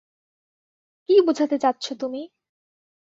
কি বোঝাতে চাচ্ছো, তুমি?